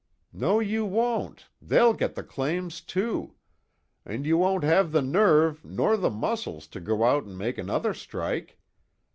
"No you won't they'll get the claims, too. And you won't have the nerve, nor the muscles to go out and make another strike.